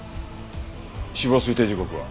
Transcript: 死亡推定時刻は？